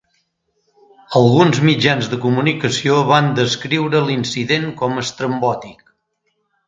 Alguns mitjans de comunicació van descriure l'incident com a "estrambòtic".